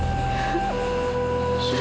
aku mau pulang